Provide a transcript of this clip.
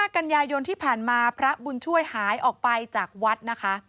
กันยายนที่ผ่านมาพระบุญช่วยหายออกไปจากวัดนะคะ